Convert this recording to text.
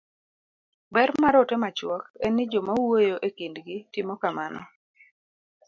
ber mar ote machuok en ni joma wuoyo e kindgi timo kamano